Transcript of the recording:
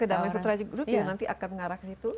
kedamaian petrajuk rupiah nanti akan mengarah ke situ